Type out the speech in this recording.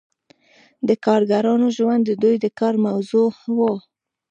د کارګرانو ژوند د دوی د کار موضوع وه.